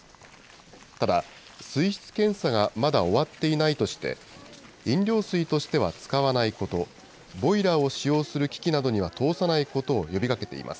ただ、水質検査がまだ終わっていないとして、飲料水としては使わないこと、ボイラーを使用する機器などには通さないことを呼びかけています。